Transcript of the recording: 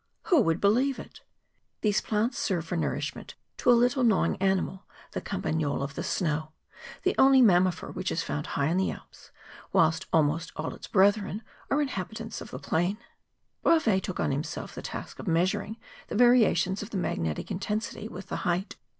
WTio would believe it ? These plants serve for nourishment to a little gnawing animal, the campagnol of the snow, the only mammifer which is found high on the Alps, whilst almost all his brethren are inhabitants of the plain. Bravais took on himself the task of measuring the variations of the magnetic intensity with the height.